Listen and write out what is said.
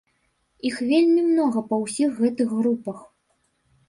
Іх вельмі многа па ўсіх гэтых групах.